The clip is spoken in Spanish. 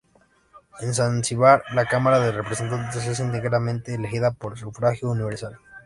En Zanzibar la Cámara de Representantes es íntegramente elegida por sufragio universal.